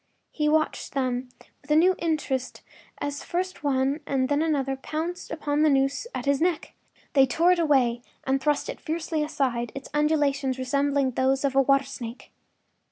He watched them with a new interest as first one and then the other pounced upon the noose at his neck. They tore it away and thrust it fiercely aside, its undulations resembling those of a water snake.